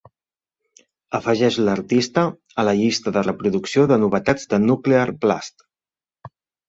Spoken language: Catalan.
Afegeix l'artista a la llista de reproducció de novetats de Nuclear Blast.